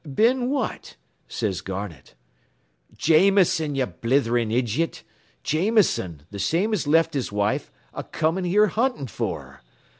"'Been what?' says Garnett. "'Jameson, ye blatherin' ijiot. Jameson, th' same as left his wife, a comin' here huntin' for her.